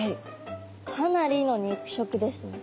かなりの肉食ですね。